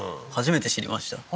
初めて知りました